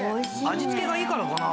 味付けがいいからかな？